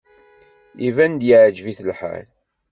Iban-d yeɛjeb-it lḥal.